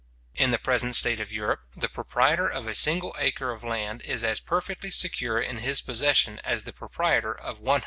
In the present state of Europe, the proprietor of a single acre of land is as perfectly secure in his possession as the proprietor of 100,000.